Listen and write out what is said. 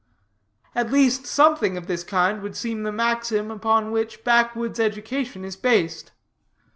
At least something of this kind would seem the maxim upon which backwoods' education is based.